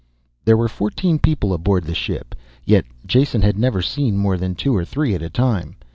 There were fourteen people aboard the ship, yet Jason had never seen more than two or three at a time.